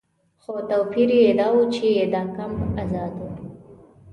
خو توپیر یې دا و چې دا کمپ آزاد و.